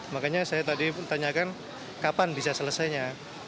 makanya saya tadi tanyakan kapan bisa selesainya